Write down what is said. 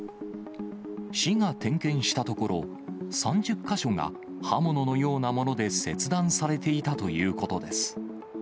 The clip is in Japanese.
市が点検したところ、３０か所が刃物のようなもので切断されていたということです。